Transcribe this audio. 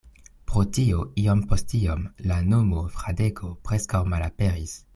Pro tio iom post iom la nomo Fradeko preskaŭ malaperis.